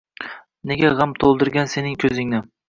Nega g’am to’ldirgan sening ko’zingni?